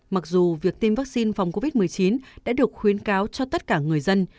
mặc dù việc tiêm vaccine phòng covid một mươi chín đã được khuyến cáo cho tất cả người dân